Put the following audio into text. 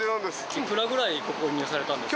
いくらぐらいご購入されたんですか？